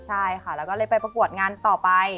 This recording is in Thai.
ใช่ค่ะแล้วก็เลยไปประกวดงานต่อไป